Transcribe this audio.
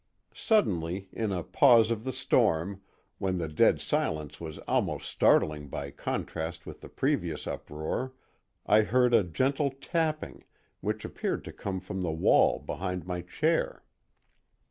Suddenly, in a pause of the storm, when the dead silence was almost startling by contrast with the previous uproar, I heard a gentle tapping, which appeared to come from the wall behind my chair.